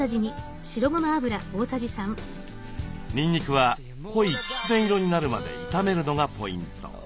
にんにくは濃いきつね色になるまで炒めるのがポイント。